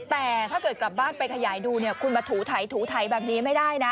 แต่ถ้าเกิดกลับบ้านไปขยายดูเนี่ยคุณมาถูไถถูไถแบบนี้ไม่ได้นะ